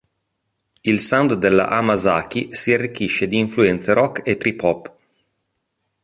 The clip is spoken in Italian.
Il sound della Hamasaki si arricchisce di influenze rock e trip-hop.